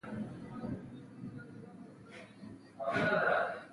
ازادي راډیو د سوداګري په اړه د اقتصادي اغېزو ارزونه کړې.